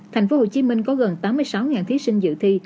thành phố hồ chí minh có gần tám mươi sáu thí sinh dự thi